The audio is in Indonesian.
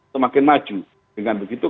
semakin maju dengan begitu